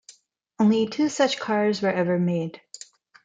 Only two such cars were ever made.